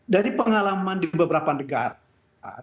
dari pengalaman di beberapa negara